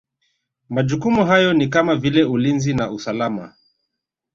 Majukumu hayo ni kama vile Ulinzi na usalama